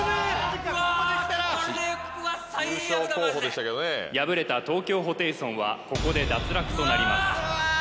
あこれは最悪だマジで敗れた東京ホテイソンはここで脱落となりますわあ！